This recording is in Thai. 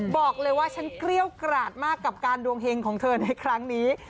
บอกเลยว่าฉันเกรี้ยวกราดมากกับการดวงเฮงของเธอในครั้งนี้